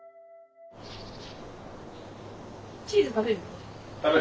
チーズ食べる？